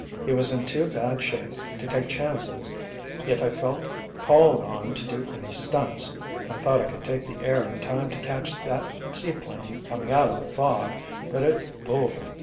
He was in too bad shape to take chances if I felt called on to do any stunts—I thought I could take the air in time to catch that seaplane coming out of the fog, but it fooled me.